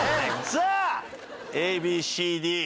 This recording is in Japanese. さあＡＢＣＤ。